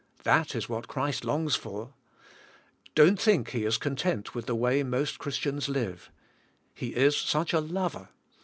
That is what Christ longs for. Don't think He is content with the way most Chris tians live. He is such a lover.